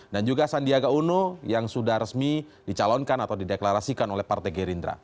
dan juga sandiaga uno yang sudah resmi dicalonkan atau dideklarasikan oleh partai gerindra